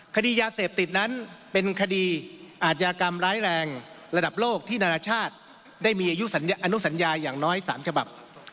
คดียาเสพติดนั้นเป็นคดีอาจยากรรมร้ายแรงระดับโลกที่นานาชาติได้มีอายุอนุสัญญาอย่างน้อย๓ฉบับ